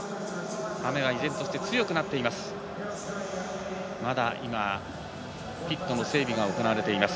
雨は依然として強くなっています。